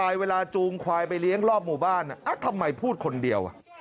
เวลาจูงควายไปเลี้ยงรอบหมู่บ้านทำไมพูดคนเดียว